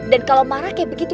dan kalau marah kayak begitu